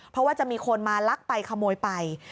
เพราะว่าจะมีคนมาลักไปขโมยไป